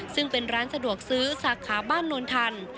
ซึ่งเป็นร้านสะดวกซื้อสาขาบ้านนวลทัน